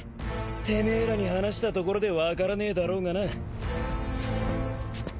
てめえらに話したところで分からねえだろうがな。